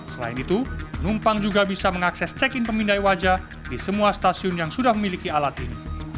selain itu penumpang juga bisa mengakses check in pemindai wajah di semua stasiun yang sudah memiliki alat ini